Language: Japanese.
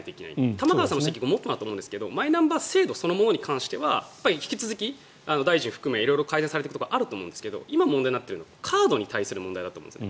玉川さんのご指摘ごもっともだと思うんですがマイナンバー制度そのものに関しては引き続き大臣含め色々改善されていくところはあると思うんですが今問題になっているのはカードに対する問題だと思うんです。